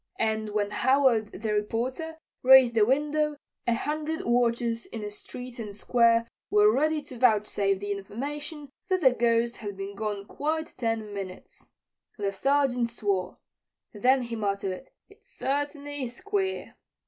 And when Howard, the reporter, raised a window, a hundred watchers in the street and Square were ready to vouchsafe the information that the Ghost had been gone quite ten minutes. The Sergeant swore. Then he muttered: "It certainly is queer."